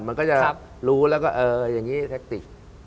มันก็จะรู้แล้วก็อย่างนี้แทคติก